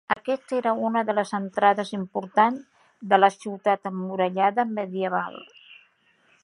Aquest era una de les entrades importants de la ciutat emmurallada medieval.